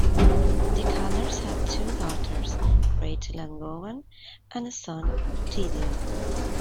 The Calders had two daughters, Rachel and Gowan, and a son, Gideon.